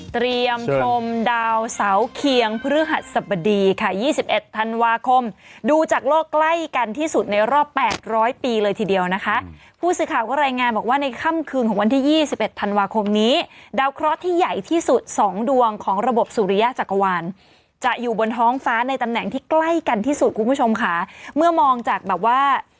ดาวเสาเคียงพฤหัสสบดีค่ะ๒๑ธันวาคมดูจากโลกใกล้กันที่สุดในรอบแปดร้อยปีเลยทีเดียวนะคะผู้สื่อข่าวก็รายงานบอกว่าในค่ำคืนของวันที่๒๑ธันวาคมนี้ดาวเคราะห์ที่ใหญ่ที่สุดสองดวงของระบบสุริยจักรวาลจะอยู่บนท้องฟ้าในตำแหน่งที่ใกล้กันที่สุดคุณผู้ชมค่ะเมื่อมองจากแบบว่า